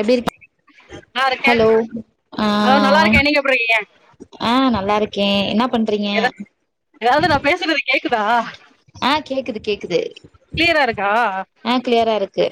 எப்டிருக்கே நல்லாருக்கே ஆ அலோ நல்லாருக்கே நீங்க எப்டி ருக்கீங்க ஆ நல்லாருக்கே என்னா பண்றீங்க யாரது நா பேசுறது கேக்குதா ஆ கேக்குது கேக்குது க்ளியரா இருக்கா ஆ க்ளியராருக்கு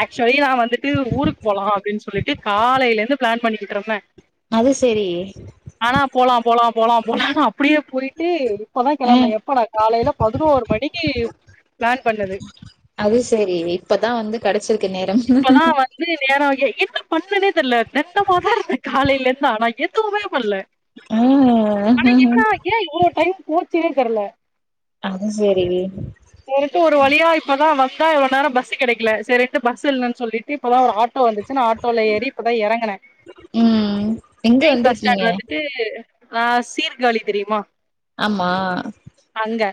ஆக்சுவலி நா வந்துட்டு ஊருக் போலா அப்டின் சொல்லிட்டு காலேலந்து பிளான் பண்ணிக்கிட்ருந்தே அது செரி ஆனா போலா போலா போலா போலான் அப்டியே போய்ட்டு இப்போதா ஆ கெளம்னே எப்படா காலேல பதினோர் மணிக்கு ப்ளான் பண்ணது அது செரி இப்பதா வந்து கெடச்சிருக்கு நேரம் இப்பதா வந்து நேரோ ஏய் என்ன பண்ணனே தெரியல தென்டமா தா இருந்தே காலேலருந்து ஆனா எ துமே பண்ணல ஆ ஆனா என்ன ஏ இவ்ளோ டைம் போச்சுனே தெர்ல அது செரி சேரின்ட்டு ஒரு வழியா இப்பதா வந்தா இவ்ளோ நேரோ பஸ்சு கெடைக்கல செரின்டு பஸ்சு இல்லனு சொல்லி ட்டு இப்பதா ஒரு ஆட்டோ வந்துச்சுன் ஆட்டோல ஏறி இப்பதா எறங்குனே ம் எங்க மெயின் பஸ் வந்திருக்கீங்க ஸ்டாண்ட் வந்துட்டு நா சீர்காழி தெரியுமா ஆமா அங்க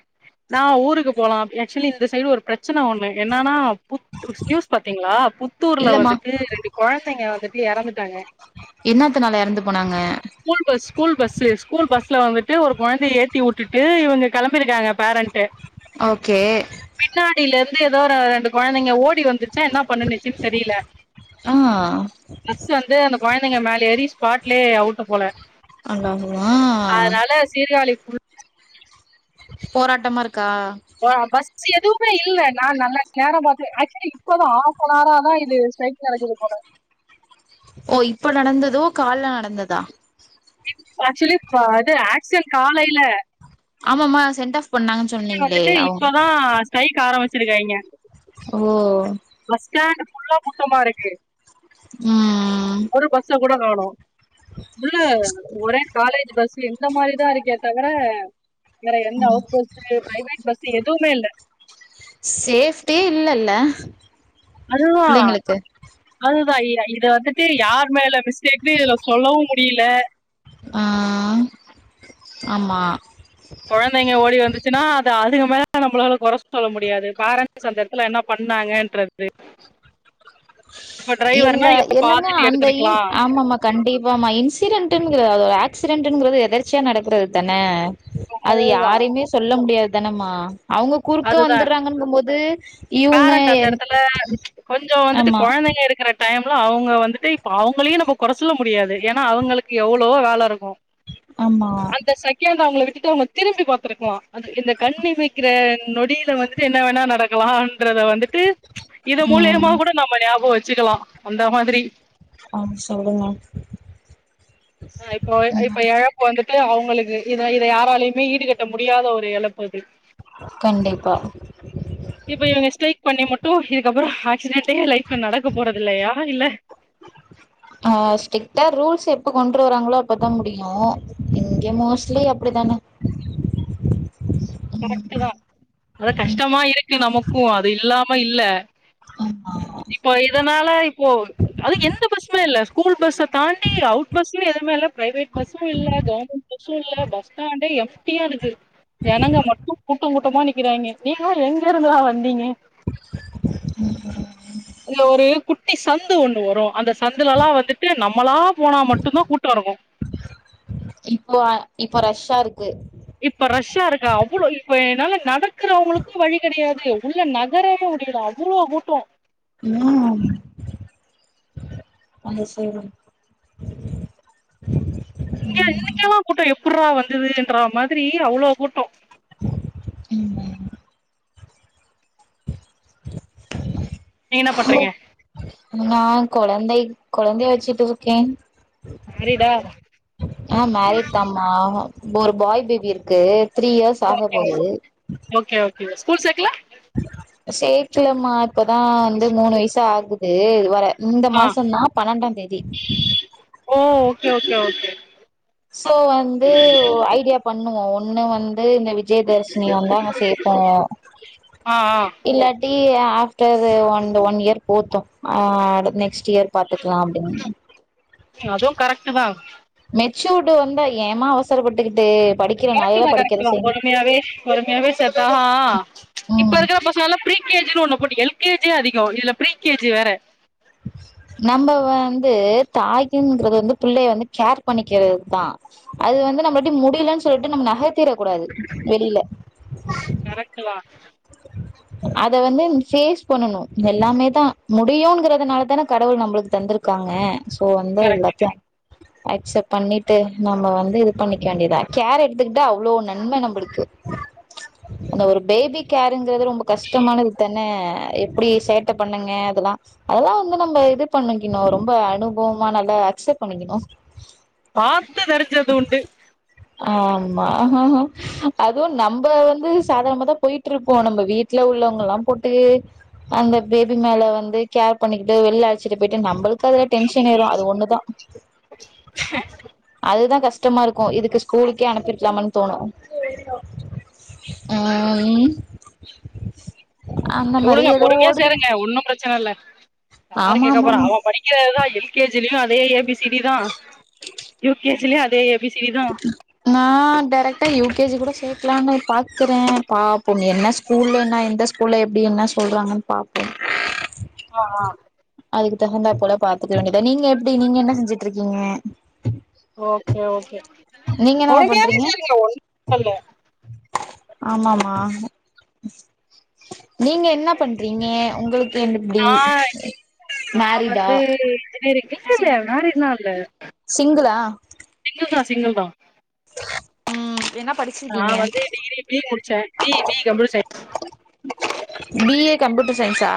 நா ஊருக்கு போலா ஆக்சுவலி இந்த சைடு ஒரு பிரெச்சன ஒண்ணு என்னன்னா புத்துஸ் நியூஸ் பாத்தீங்களா புத் புத்தூர்ல இல்லமா வந்துட்டு ரெண்டு கொழந்தைங்க வந்துட்டு எறந்துட்டாங்க என்னாத்துனால எறந்து போனாங்க school bus school bus school பஸ்ல வந்துட்டு ஒரு கொழந்தைய ஏத்தி வுட்டுட்டு இவுங்க கெளம்பிருக்காங்க பேரண்ட்டு ஓகே பின்னாடிலருந்து வந்து ஏதோ ரெண்டு கொழந்தைங்க ஓடி வந் துச்சா என்னா பண்ணுனுச்சுன் தெரில ஆ பஸ்ஸு வந்து அந்த கொழந்தைங்க மேலேறி ஸ்பாட்லே அவுட்டு போல அல்லாஹ்வா ஆ அதுனால சீர்காழி புல் போராட்டமா இருக்கா ஆ பஸ் எதுமே இல்ல நா நல்லா நேர பாத்தே ஆக்சுலி இப்பதா ஆஃப்னாரா தா இது ஸட்ரைக் நடக்குது போல ஓ இப்ப நடந்ததோ கால்ல நடந்ததா ஆக்சுலி இப்ப அது ஆக்சிடென்ட் காலைல ஆமாம்மா சென்ட் ஆஃப் பண்ணாங்கன்னு [unintelligible] சொன்னீங்களே வந்துட்டு அவங் இப்பதா ஸ்டைக் ஆரம்பிச்சிருக்காய்ங்க ஓ பஸ் ஸ்டாண்டு் ஃபுல்லா கூட்டமா இருக்கு ம் ஒரு பஸ்ஸ கூட காணோ உள்ள ஒரே காலேஜ் பஸ் இந்த மாரிதா இருக்கே தவிர வேற எந்த ம் அவுட் போஸு ப்ரைவேட் பஸ் எதுவுமே இல்ல சேஃப்டியே இல்லல்ல அதுதா பிள்ளைங்களுக்கு அதுதா இ இது வந்துட்டு யார் மேல மிஸ்டேக்கு இதுல சொல்லவும் முடில ஆ ஆமா கொழந்தைங்க ஓடி வந்துச்சுன்னா அது அதுங்க மேல நம்பளால கொற சொல்ல முடியாது பேரண்ட்ஸ் அந்த நேரத்துல என்ன பண்ணாங்கன்றது இப்ப இல்ல டிரைவர்னா நீங்க எல்லாமே பாத்துட்டு அந்த இங் எடுத்திருக்கலா ஆமமாக் கண்டிப்பாம்மா இன்சிடென்டுங் ஆ ஒரு ஆக்சிடென்டுங்கறது எதர்ச்சியா நடக்குறது தான அது அதுதா யாரையுமே சொல்ல முடியாது தானம்மா அவுங்க குறுக்க அதுதா வந்துட்றாங்கங்கம்போது இவுங்க பேரண்ட் அந்த எடத்துல கொஞ்சோ வந்துட்டு ஆமா கொழந்தைங்க இருக்கிற டைம்ல அவுங்க வந்துட்டு இப்ப அவுங்களையு நம்ம கொற சொல்ல முடியாது ஏன்னா அவுங்களுக்கு எவ்வளவோ வேல இருக்கு ஆமா அந்த செகண்ட் அவுங்கள விட்டுட்டு அவுங்க திரும்பி பாத்துருக்கலா அந்த இந்த கண்ணிமக்கிற நொடியில வந்துட்டு என்ன வேணா நடக்கலான்றத வந்துட்டு இது ம் மூலியமா கூட நம்ம ஞாபகம் வச்சுக்கலா அந்த மாதிரி ஆ சொல்லுங்க ஆ இப்போ ம் இப்ப எழ ப்பு வந்துட்டு அவுங்களுக்கு இத இத யாராலயுமே ஈடுகட்ட முடியாத ஒரு எழப்பு இது கண்டிப்பா இப்ப இவுங்க ஸ்ட்ரைக் பண்ணி மட்டு இதுக்கப்புற ஆக்சிடென்டே லைஃப்ல நடக்க போறதில்லையா இல்ல ஆ ஸ்ட்ரிக்டா ரூல்ஸ எப்போ கொண்டு வராங்களோ அப்பதா முடியு இங்க மோஸ்ட்லி அப்டிதான ம் அத கஷ்டமா இருக்கு நமக்கும் அது இல்லாம இல்ல ஆமா இப்போ இதனால இப்போ அது எந்த பஸ்ஸுமே இல்ல ஸ்கூல் பஸ்ஸ தாண்டி அவுட் பஸ்ஸுமே எதுமே இல்ல ப்ரைவேட் பஸ்ஸு இல்ல கவர்மெண்ட் பஸ்ஸு இல்ல பஸ் ஸ்டாண்டே எம்ட்டியா இருக்கு ஜனங்க மட்டு கூட்ட கூட்டமா நிக்கிறாய்ங்க நீங்களு எங்கருந்துறா வந்தீங்க ம் இல்ல ஒரே குட் டி சந்து ஒண்ணு வரு அந்த சந்துலல்லா வந்துட்டு நம்மளா போனா மட்டுந்தா கூட்டோருக்கு இப்போ அ இப்போ ரஷ்ஷாருக்கு இப்ப ரஷ்ஷாருக்கா அவ்ளோ இப்ப என்னால நடக்கிறவுங்களுக்கு வழி கெடையாது உள்ள நகரவு முடில அவ்ளோ கூட்டோ ம் வந்து சேருங் டே ம் இன்னிக்கேவா கூட்டோ எப்பர்ரா வந்ததுன்ற மாதிரி அவ்ளோ கூட்டோ ஆமா நீங்க என்ன பண்றீங்க நா கொழந்தை கொழந்தைய வெச்சிட்டு இருக்கேன் மேரிடா அ மேரிட் தாம்மா ஒரு பாய் பேபி இருக்கு த்ரீ யேஸ் ஆகப் போது ஓகே ஓகே ஸ்கூல் சேக்கலா சேக்கலமா இப்பதா வந்து மூணு வய்சு ஆகுது வர இந்த ஆ மாசந்தா பனண்டாந்தேதி ஓ ஓகே ஓகே ஓகே சோ வந்து ஐடியா பண்ணுவோ ஒண்ணு வந்து இந்த வி ஜயதஷ்மி வந்தா சேப்போ ஆ ஆ இல்லாட்டி ஆஃப்டரு ஒன்டு ஒன்னியர் போத்து அ அடு நெக்ஸ் டியர் பாத்துக்லா அப்டின்னு ம் அதுவு கரெக்ட்டு தா மெச்சூர்டு வந்தா ஏமா அவசரப்பட்டுகிட்டு படி கரெக்ட்டுதா கரெக்ட்டுதா பொறுமையாவே பொறுமையாவே சேத்தா ஆ இப்ப ம் இருக்குற பச ங்ளெல்லா ப்ரீ கே ஜி னு ஒண்ணு போட்டு எல் கே ஜி யே அதிகோ இதுல ப்ரீ கே ஜி வேற நம்ம வந்து தாய்ங்கிறது வந்து புள்ளைய வந்து கேர் பண்ணிக்கிறது தா அது வந்து நம்மலாட்டி முடிலன் சொல்லிட்டு நம் நகத்தீர கூடாது வெளில கரெக்ட்டுதா அத வந்து ஃபேஸ் பண்ணணு எல்லாமேதா முடியுங்குறதுனால தான கடவுள் நம்ப்ளுக்கு தந்திருக் காங்க சோ வந்து கரெக்ட் எல்லாத்தியு அக்சப் பண்ணிட்டு நம்ப வந்து இது பண்ணிக்க வேண்டியுதா கேர் எடுத்துக்குட்ட அவ்ளோ நன்ம நம்பளுக்கு அந்த ஒரு பேபி கேருங்கிறது ரொம்ப கஷ்டமானதுதானே எப்டி சேட்ட பண்ணுங்க அதெல்லா அதெல்லா வந்து நம்ப இது பண்ணிக்கிணு ரொம்ப அனுபவமா நல்லா அக்செப் பண்ணிக்கிணு பாத்து நெரஞ்சது உண்டு ஆமா அதுவு நம்ப வந்து சாதார்ணமாதா போய் ட்ருப்போ நம்ப வீட்ல உள்ளவங்கல்லா போட்டு அந்த பேபி மேல வந்து கேர் பண்ணிக்கிட்டு வெளில அழச்சிட்டு போயிட்டு நம்பளுக் கதுல டென்ஷன் ஏரு அது ஒண்ணுதா அதுதா கஷ்டமா இருக்கே இதுக்கு ஸ்கூலுக்கே அனுப்பிறுக்லாமான் தோணு அ ம் அந்த செரி மாரி உடுங்க ஏதோ பொறுமியா ஓடுது சேருங்க ஒன்னு ப்ரெச்சன இல்ல யாரு ஆமா கேக்க ஆமா போரா ஆமா அவன் படி எல் கே ஜி லேயு அதே ஏ பி சி டி தா யு கே ஜி லேயு அதே ஏ பி சிடி தா நா டெரெக்ட்டா யூ கே ஜி கூட சேக்கலானு பாக்குறே பாப்போ என்ன சு ஸ்கூல்லன எந்த ஸ்கூல்ல எப்டி என்ன சொல்றாங்கன் பாப்போ ஆ ஆ அதுக்கு தகுந்தா போல பாத்துர்க்க வேண்டியதா நீங்க எப்டி நீங்க என்ன செஞ்சுட்டுருக்கீங்க ஓகே ஓகே நீங்க என்னமா பொறுமையாவே பண்றீங்க சேறுங்க ஒ [inaudible] இல்ல ஆமாமா நீங்க என்ன பண்றீங்க உங்களுக்கு என் எப்டி நா மெரிட்அ இன்ஜினேயரிங்க்கு மெரிஜ்லா ஆல சிங்குள்ளா சிங்குல் தா சிங்குல் தா உம் என்ன படிச் நான் வந்து டிகிரி பி முடிச்சேன் B B computer science BA computer சயின்ஸா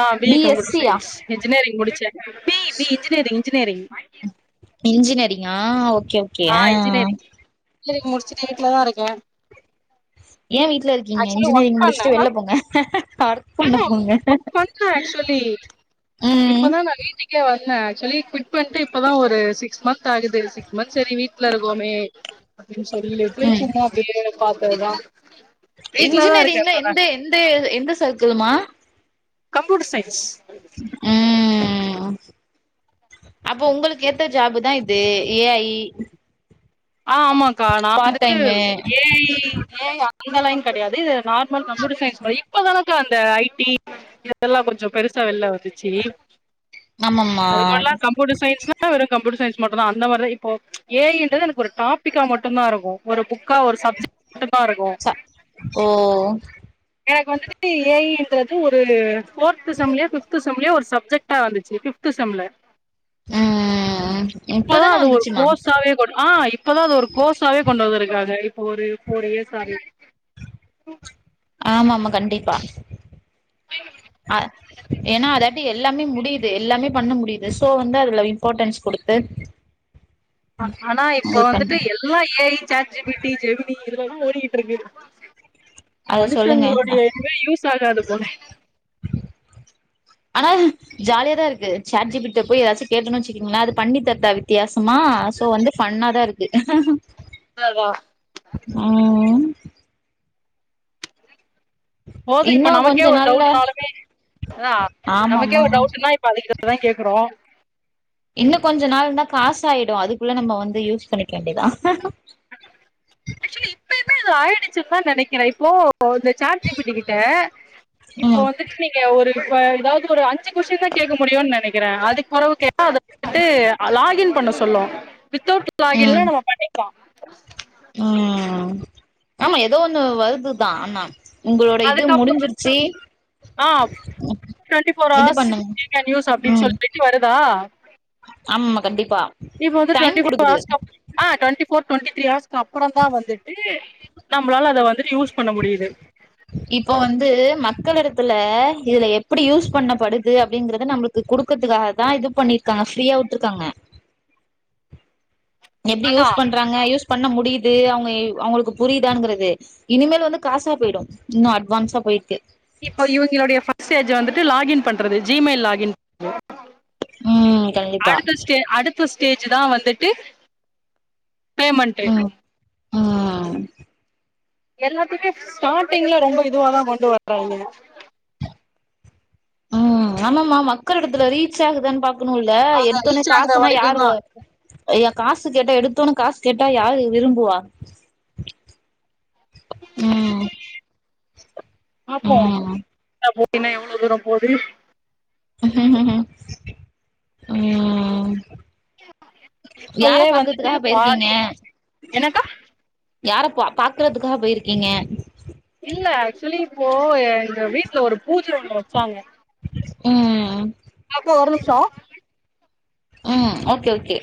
ஆ B E S computer C யா சயின்ஸ் இன்ஜினியரிங் முடிச்சே B E B E engineering engineering இன்ஜினேரிங்கா ஓகே ஆ இன்ஜினேயரிங் இன்ஜினேயரிங் முடிச்சுட்டு வீட்டுலதா இருக்க ஏ வீட்ல இருக்கீங்க இன்ஜினேயரிங் முடிச்சுட்டு வெள்ள போங்க ஒர்க் பண்ண போங்க கொஞ்ச ஆக்சுவலி ம் இப்பதா நா வீட்டு கே வந்த அக்சுவலி குவிட் பண்டு இப்பதா ஒரு சிக்ஸ் மன்த் ஆகுது சிக்ஸ் மன்த் செரி வீட்ல இருக்கோமே அப்டின்னு சொல்லிட்டு ம் சும்மா அப்டியே பாத்ததுதா இன்ஜினேயரிங்ல எந்த எந்த எந்த செர்க்களுமா கம்புயூட்டர் சைன்ஸ் ம் அப்போ உங்களுக்கு ஏத்த ஜாபு தா இது ஏ ஐ ஆ ஆமாக்கா நா வந்து part time A I, A I அந்த லைன் கெடையாது இது நார் நம்ப கம்பியூட்டர் சயின்ஸ் இப்பதனாக்கா அந்த ஐ டி இதெல்லா கொஞ்சோ பெருசா வெள்ல வந்துச்சு ஆமாம்மா அது முன்னாடில்லா கம்பியூட்டர் சயின்ஸ்னா வெறு கம்பியூட்டர் சயின்ஸ் மட்டுதா அந்த மாதிரிதா இப்ப ஏ ஐ டரது ஒரு டாபிக்கா மட்டு தா இருக்கூ ஒரு புக்கா ஒரு சப்ஜெக்ட் டுதா இருக்கூ ச ஓ எனக்கு வந்துவிட்டு ஏ ஐன்றது ஒரு ஃபோர்த் செம்லயோ ஃபிப்து செம்லயோ ஒரு சப்ஜெக்ட் டா வந்துச்சு பிப்து செம்ல உம் ம் ம் இப்பதா இப்பதானே அது ஒரு வந்துச்சுமா கோர்ஸாவே கொண் ஆ இப்போதா அது ஒரு கோர்ஸாவே கொண்டு வந்திருக்காங்க இப்போ ஒரு போஃபர் இயர்ஸவெ ஆமா ஆமா கண்டிப்பா அ ஏனா அத டி எல்லாமே முடியுது எல்லாமே பண்ண முடியுது சோ வந்து அதுல இம்பார்ட்டன்ஸ் கொடுத்து ஆனா இப்ப வந்துட்டு பண்ணு எல்லா ஏஐ, சாட்ஜிபிடி, ஜெினி இதுலதா ஓடிக்கிட்டுருக்கு அத சொல்லுங்க மனுஷங்களுடைய இதுவே யூஸ் ஆகாது போல ஹ ஆனா ஜாலிய தா இருக்கு சாட்ஜிபிடிட்ட போய் ஏதாச்சும் கேட்டணும வச்சுக்கோங்கலே அது பண்ணி தர்தா த்தியாசமா சோ வந்து ஃபண்ணாதான் இருக்கு ஆவ ம் போக இப்ப இன்னும் நமக்கே கொஞ்ச ஒரு நாள்ல டவுட்னாலுமே அதா நமக்கே ஆமாமா ஒரு டவுடன இப்ப அது கிட்ட தா கேக்குறோ இன்னு கொஞ்ச நாள்ந்தா காசு ஆயிடு அதுக்குள்ள நம்ம வந்து யூஸ் பண்ணிக்க வேண்டியதா ஆக்சுவலி இப்பயுமே அது ஆயிடுச்சுன் தா நெனைக்கிறே இப்போ இந்த சார்ட் ஜி பி டி கிட்ட இப்போ ம் வந்து நீங்க ஒரு வ எதாவ்து ஒரு அஞ்சு கொஸ்ஸீன் தா கேக்க முடியுன் நெனைக்கிறேன அதுக் உரவு கேட்டா அதைட்டு லாகின் பண்ண சொல்லு வித்தவுட் லாகின்ல ம் நம்ம பண்ணிக்கலா ம் ஆமா ஏதோ ஒண்ணு வருதுதா ஆண்ணா உங்களோட இது அதுக்கப்புறோ முடிஞ்சிருச்சி ஆ டொன்டீஃபோர் இது ஹவர்ஸ் பண்ணுங்க [unintelligible] ம் சொல்லிட்டு வருதா ஆமாமா கண்டிப்பா இப்போ வந்து டைம் டொண்டிஃபோர் குடுக்குது ஹவர்ஸ் [unintelligible] ஆ டு்வெண்டி ஃபோர் டுவெண்டி த்ரீ ஹார்ஸ்கு அப்பொறந் தா வந்துட்டு நம்மளால அதை வந்துட் யூஸ் பண்ண முடியுது இப்போ வந்து மக்கள் எடத்துல இதுல எப்பிடி யூஸ் பண்ணப்படுது அப்டிங்கறத நம்மளுக்கு இது குடுக்கறதுக்காக தா இது பண்ணியிருக்காங்க ஃப்ரீயா வுட்ருக்காங்க எப்டி அதா யூஸ் பண்றாங்க யூஸ் பண்ண முடியுது அவுங்க அவுங்களுக்கு புரியுதான்ங்கிறது இனிமேல வந்து காசா போயிடு இன்னு அட்வான்ஸா போயிருக்கு இப்போ இவுங்களுடைய ஃபஸ்டேஜ் வந்துட்டு லாகின் பண்றது ஜிமெயில் லாகின் பண்றது ம்ம் கண்டிப்பா செ அடுத்த ஸ்டேஜ் தா வந்துட்டு பேமெண்ட்டு ம் ம் எல்லாத்துமே ஸ்டார்ட்டிங்ல ரொம்ப இதுவா தான் கொண்டு வர்றாங்ய ம் ஆமாமமா மக்கள் இடத்துல ரீச் ஆகுதான்னு பாக்கணுல்ல எடுத்தொனே ரீச் ஆகுற காசுன்னா வரைக்கு யார் தா வரு அய்யா காசு கேட்டா எடுத்தோன்ன காசு கேட்டா யாரு விரும்புவா ம் பாப்போ ம் னா போட்டினா எவ்ளோ தூரம் போது ம் யார இப்பயே வந்துட்டு பாக்கறதுக்காக போயிருக்கீங்க பாதி என்னக்கா யார பாக் பாக்குறதுக்காக போயிருக்கீங்க இல்ல ஆக்சுவலி இப்போ எங்க வீட்ல ஒரு பூஜ ஒண்ணு வச்சாங்க ம் பாப்பு ஒரு நிம்ஷொ ம் ஓகே ஓகே